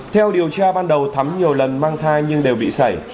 theo điều tra ban đầu thắm nhiều lần mang thai nhưng đều bị sảy